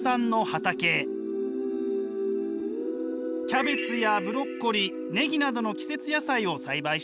キャベツやブロッコリーネギなどの季節野菜を栽培しています。